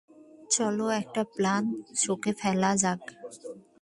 চলো একটা প্ল্যান ছকে ফেলা যাক।